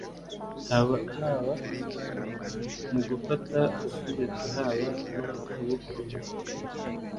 haba mu gufata ubutegetsi haba no mukubukomeza.